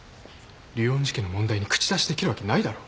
竜恩寺家の問題に口出しできるわけないだろう。